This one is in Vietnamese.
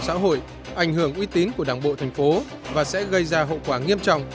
xã hội ảnh hưởng uy tín của đảng bộ thành phố và sẽ gây ra hậu quả nghiêm trọng